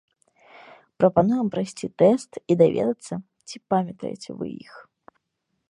Прапануем прайсці тэст і даведацца, ці памятаеце вы іх.